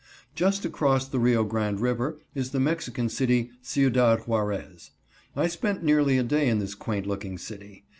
Just across the Rio Grande River is the Mexican city, Ciudad Juarez. I spent nearly a day in this quaint looking city.